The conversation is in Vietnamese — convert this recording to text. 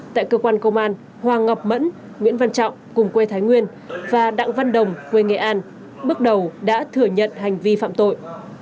tại cơ quan công an hoàng ngọc mẫn nguyễn văn trọng cùng quê thái nguyên và đặng văn đồng quê nghệ an bước đầu đã thừa nhận hành vi phạm tội